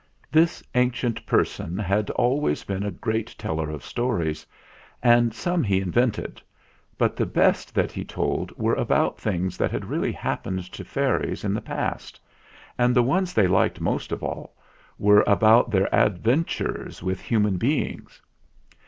This ancient person had al ways been a great teller of stories, and some he invented; but the best that he told were about things that had really happened to fairies in the past; and the ones they liked most of all were about their adventures with human beings.